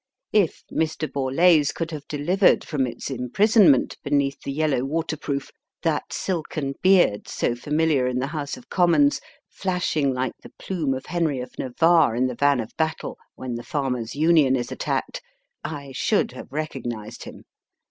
If Mr. Borlase could have delivered from its im prisonment beneath the yellow waterproof that silken beard so famihar in the House of Commons, flashing like the plume of Henry of Navarre in the van of battle when the Farmers' Union is attacked, I should have recognized him.